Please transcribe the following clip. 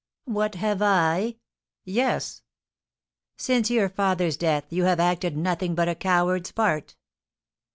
"What have I?" "Yes." "Since your father's death you have acted nothing but a coward's part."